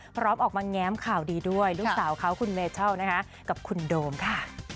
พร้อมออกมาแง้มข่าวดีด้วยลูกสาวเขาคุณเมเชิลนะคะกับคุณโดมค่ะ